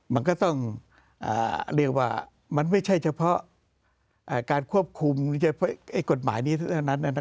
มันก็ต้องเรียกว่ามันไม่ใช่เฉพาะการควบคุมกฎหมายนี้เท่านั้น